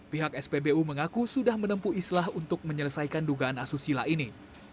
pihak spbu mengaku sudah menempuh islah untuk menyelesaikan dugaan asusila ini